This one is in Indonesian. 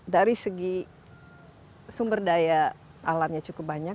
dari segi sumber daya alamnya cukup banyak